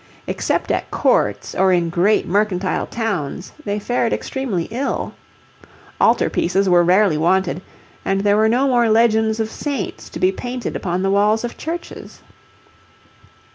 Except at courts or in great mercantile towns they fared extremely ill. Altar pieces were rarely wanted, and there were no more legends of saints to be painted upon the walls of churches.